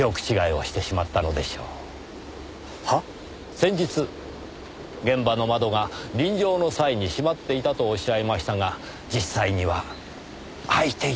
先日現場の窓が臨場の際に閉まっていたとおっしゃいましたが実際には開いていました。